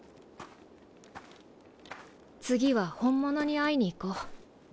次は本物に会いにいこう。